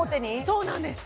そうなんです